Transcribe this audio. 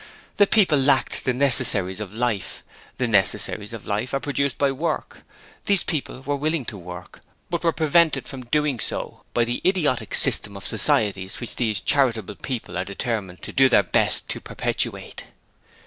The people lacked the necessaries of life: the necessaries of life are produced by Work: these people were willing to work, but were prevented from doing so by the idiotic system of society which these 'charitable' people are determined to do their best to perpetuate.